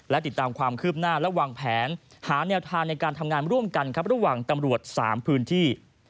และติดตามความคืบหน้าและวางแผนหาแนวทางในการทำงานร่วมกันครับระหว่างตำรวจ๓พื้นที่